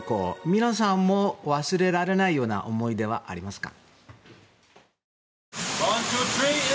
皆さんも忘れられないような思い出はありますか？